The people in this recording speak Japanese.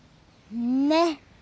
ねっ！